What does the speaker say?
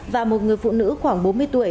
và một người phụ nữ khoảng bốn mươi tuổi